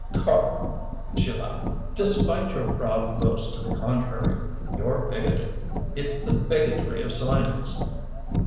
"Karl," she laughed, "despite your proud boast to the contrary, you're bigoted. It's the bigotry of science."